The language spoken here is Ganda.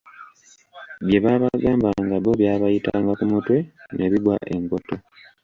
Bye baabagambanga bo byabayitanga ku mutwe ne bibagwa enkoto.